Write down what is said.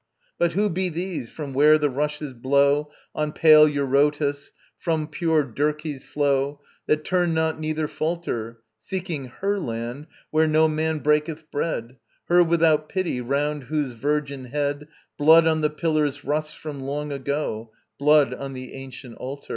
But who be these, from where the rushes blow On pale Eurotas, from pure Dirce's flow, That turn not neither falter, Seeking Her land, where no man breaketh bread, Her without pity, round whose virgin head Blood on the pillars rusts from long ago, Blood on the ancient altar.